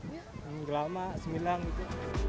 yang gelap sembilan gitu